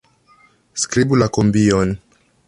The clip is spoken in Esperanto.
Skribu la kambion.